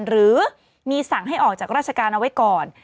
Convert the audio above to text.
หรือมีสั่งให้ออกจากราชการเอาไว้ก่อน